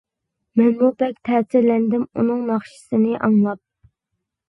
مەنمۇ بەك تەسىرلەندىم، ئۇنىڭ ناخشىسىنى ئاڭلاپ.